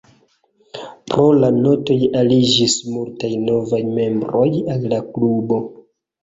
Pro la Notoj aliĝis multaj novaj membroj al la klubo.